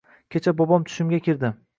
Kecha bobom tushimga kirdi.